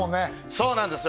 そうなんですよ